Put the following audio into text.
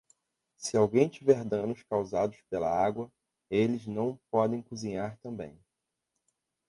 Se alguém tiver danos causados pela água, eles não podem cozinhar também.